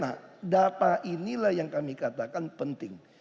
nah data inilah yang kami katakan penting